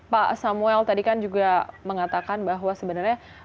pak samuel tadi kan juga mengatakan bahwa sebenarnya